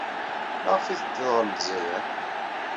Maɣef ay teddid ɣer Lezzayer?